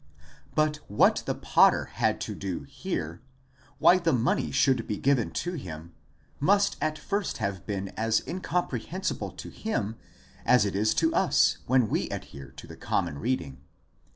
But what the potter had to do here,—why the money should be given to him, must at first have been as in comprehensible to him as it is to us when we adhere to the common reading.